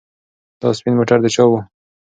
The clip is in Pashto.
دا سپین موټر د چا و؟